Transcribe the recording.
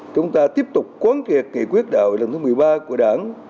chúng ta tiếp tục quán kiệt nghị quyết đảo lần thứ một mươi ba của đảng